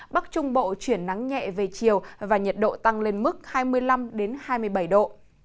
bắc trung bộ chuyển nắng nhẹ về chiều và nhiệt độ tăng lên mức hai mươi năm hai mươi bảy độ